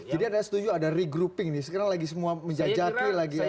jadi ada setuju ada regrouping nih sekarang lagi semua menjajaki lagi ada